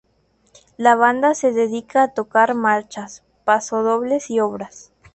La banda se dedica a tocar marchas, pasodobles y obras.